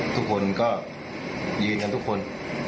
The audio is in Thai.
ทุกคนก็ยืนกันทุกคน